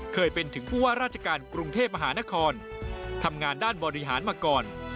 เคยเป็นถึงผู้ว่าราชการกรุงเทพมหานครทำงานด้านบริหารมาก่อน